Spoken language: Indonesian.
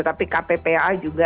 tapi kppa juga